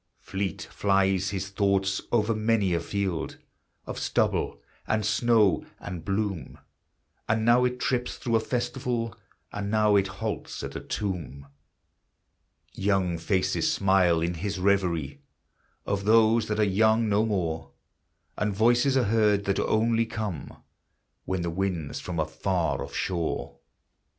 Fleet flies his thoughts over many a field Of stubble and snow and bloom, And now it trips through a festival, And now it halts at a tomb; Young faces smile in his reverie, Of those that are young no more, And voices are heard that only come With the winds from a far off shore.